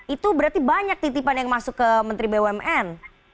itu berarti banyak titipan yang masuk ke menteri bumn